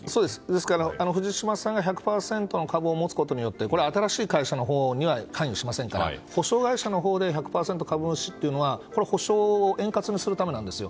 ですから、藤島さんが１００％の株を持つことによって新しい会社のほうには関与しませんから補償会社のほうで１００％株主っていうのは補償を円滑にするためなんですよ。